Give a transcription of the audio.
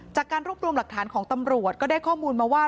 จากการรวบรวมหลักฐานของตำรวจก็ได้ข้อมูลมาว่า